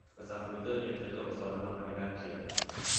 ภาษาคอมพิวเตอร์ นิยมใช้ตัวอักษรโรมันในการเขียน